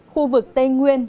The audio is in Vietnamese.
khu vực tây nguyên